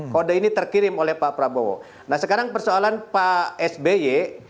kode ini terkirim oleh pak prabowo nah sekarang persoalan pak sby